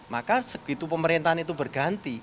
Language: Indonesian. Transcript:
maka segitu pemerintahan itu berganti